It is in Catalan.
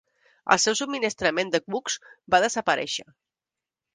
El seu subministrament de cucs va desaparèixer.